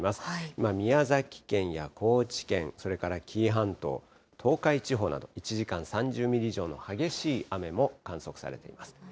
今、宮崎県や高知県、それから紀伊半島、東海地方など、１時間３０ミリ以上の激しい雨も観測されています。